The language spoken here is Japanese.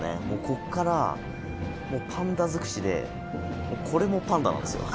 こっからもうパンダづくしでこれもパンダなんですよ